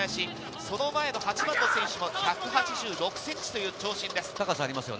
その前の８番の選手も１８６ｃｍという長身です。